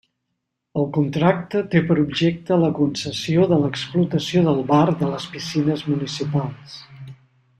El contracte té per objecte la concessió de l'explotació del bar de les piscines municipals.